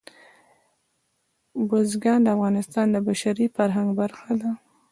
بزګان د افغانستان د بشري فرهنګ برخه ده.